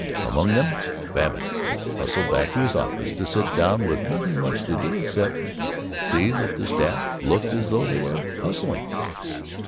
Among them Babbitt hustled back to his office, to sit down with nothing much to do except see that the staff looked as though they were hustling.